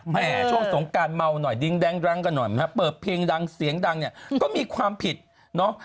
ช่วงสงการเมาหน่อยดิงแดงรังกันหน่อยไหมฮะเปิดเพลงดังเสียงดังเนี่ยก็มีความผิดเนาะ